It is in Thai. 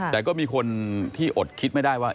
แต่ก็มีคนที่อดคิดไม่ได้ว่า